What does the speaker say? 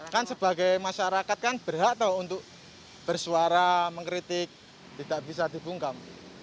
kan sebagai masyarakat kan berhak untuk bersuara mengkritik tidak bisa dibungkam